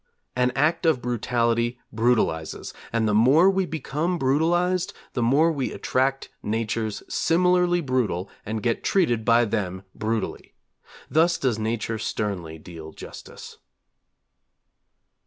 An act of brutality brutalizes, and the more we become brutalized the more we attract natures similarly brutal and get treated by them brutally. Thus does Nature sternly deal justice.